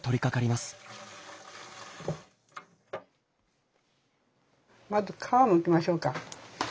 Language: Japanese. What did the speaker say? まず皮むきましょうか。